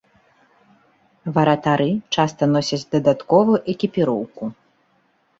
Варатары часта носяць дадатковую экіпіроўку.